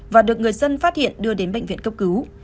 và được người dân phát hiện đưa đến bệnh viện cấp cứu